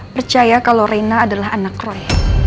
percaya kalau rina adalah anak roy